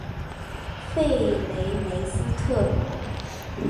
弗雷梅斯特罗。